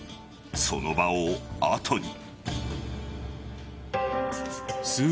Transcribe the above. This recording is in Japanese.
その場をあとに。